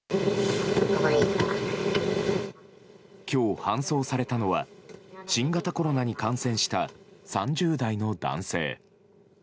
今日、搬送されたのは新型コロナに感染した３０代の男性。